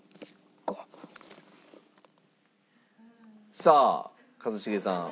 さあ一茂さん。